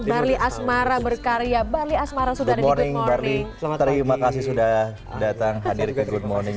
bali asmara berkarya bali asmara sudah nengok terima kasih sudah datang hadir ke good morning